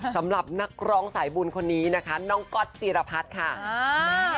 สำหรับนักร้องสายบุญคนนี้นะคะน้องก๊อตจีรพัฒน์ค่ะ